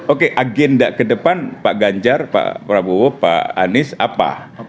oke agenda ke depan pak ganjar pak prabowo pak anies apa